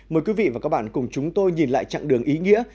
mời quý vị và các bạn cùng chúng tôi nhìn lại chặng đường ý nghĩa